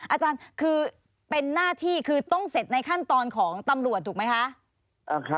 อาจารย์คือเป็นหน้าที่คือต้องเสร็จในขั้นตอนของตำรวจถูกไหมคะ